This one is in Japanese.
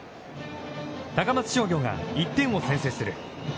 高松商業が、１点を先制する。